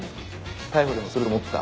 逮捕でもすると思った？